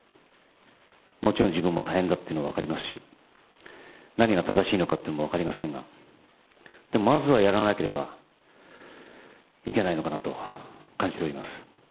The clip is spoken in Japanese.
もちろん自分も大変だっていうのは分かりますし何が正しいのかも分かりませんがでもまずはやらなければいけないのかなと感じております。